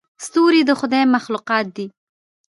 ستوري د خدای مخلوقات دي.